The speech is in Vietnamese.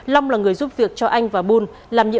long là người giúp việc cho anh và buôn